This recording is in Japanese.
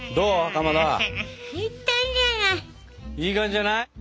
いい感じじゃない？